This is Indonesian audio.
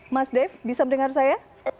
mas dave bisa mendengar saya